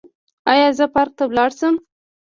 ایا زه پارک ته لاړ شم؟